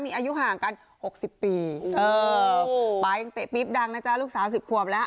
มีอายุห่างกัน๖๐ปีเออป๊ายังเตะปี๊บดังนะจ๊ะลูกสาว๑๐ขวบแล้ว